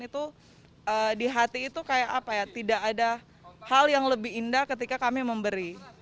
itu di hati itu kayak apa ya tidak ada hal yang lebih indah ketika kami memberi